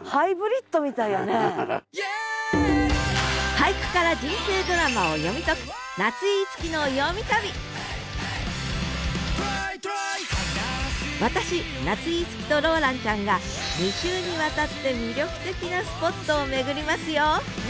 俳句から人生ドラマを読み解く私夏井いつきとローランちゃんが２週にわたって魅力的なスポットを巡りますよ！